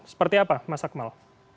seperti apa mas akmal